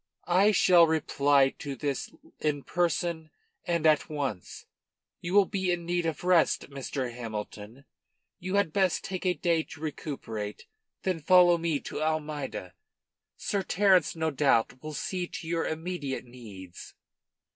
"I shall reply to this in person and at, once. You will be in need of rest, Mr. Hamilton. You had best take a day to recuperate, then follow me to Almeida. Sir Terence no doubt will see to your immediate needs."